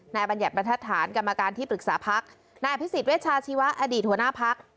นายบรรยัตน์ประธานกรรมการที่ปรึกษาพักนายพิสิทธิ์เวชาชีวะอดีตหัวหน้าพัก